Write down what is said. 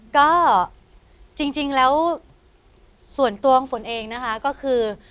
ก็จริงแล้วส่วนตัวของฝนเองนะคะก็คือ